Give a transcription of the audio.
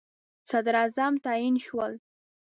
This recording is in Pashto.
صدراعظم تعیین شول.